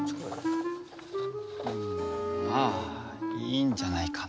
まあいいんじゃないかな。